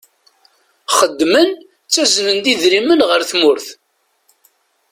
Xeddmen, ttaznen-d idrimen ɣer tmurt.